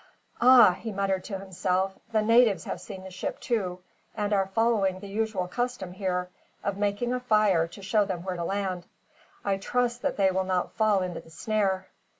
"Ah!" he muttered to himself. "The natives have seen the ship, too; and are following the usual custom, here, of making a fire to show them where to land. I trust that they will not fall into the snare."